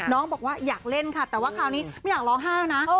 บอกว่าอยากเล่นค่ะแต่ว่าคราวนี้ไม่อยากร้องไห้นะ